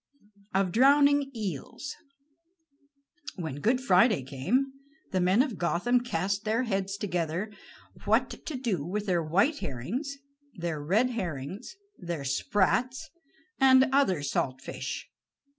OF DROWNING EELS When Good Friday came, the men of Gotham cast their heads together what to do with their white herrings, their red herrings, their sprats, and other salt fish.